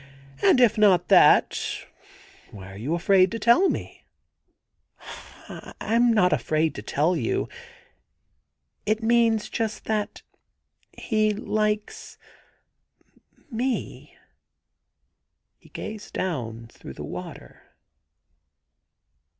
And if not that, why are you afraid to tell me ?'' I 'm not afraid to tell you. ... It means just that * he likes — ^me.' He gazed down through the water.